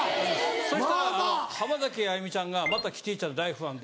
そしたら浜崎あゆみちゃんがまたキティちゃんの大ファンで。